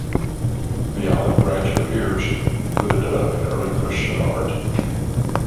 The olive branch appears with a dove in early Christian art.